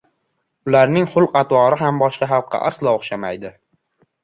Ularning xulq-atvori ham boshqa xalqqa aslo o‘xshamaydi…